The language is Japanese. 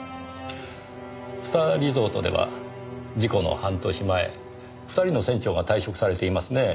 スターリゾートでは事故の半年前２人の船長が退職されていますねぇ。